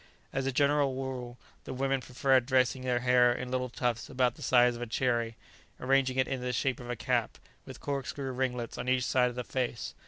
As a general rule, the women preferred dressing their hair in little tufts about the size of a cherry, arranging it into the shape of a cap, with corkscrew ringlets on each side of the face.